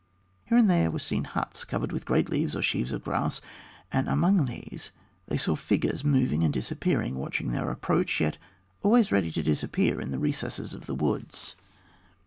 Here and there were seen huts covered with great leaves or sheaves of grass, and among these they saw figures moving and disappearing, watching their approach, yet always ready to disappear in the recesses of the woods.